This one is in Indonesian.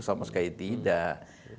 sama sekali tidak